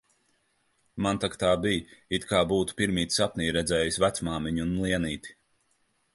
Man tak tā bij, it kā būtu pirmīt sapnī redzējis vecmāmiņu un Lienīti